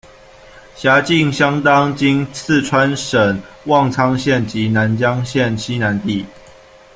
辖境相当今四川省旺苍县及南江县西南地。